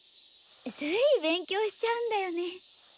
つい勉強しちゃうんだよね。